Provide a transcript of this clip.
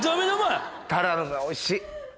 タラの芽おいしい！